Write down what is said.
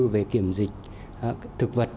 về kiểm dịch thực vật